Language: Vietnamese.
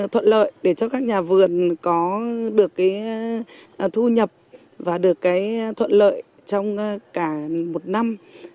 thuận lợi để cho các nhà vườn có được cái thu nhập và được cái thuận lợi trong cả một năm